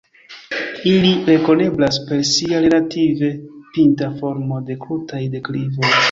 Ili rekoneblas per sia relative pinta formo de krutaj deklivoj.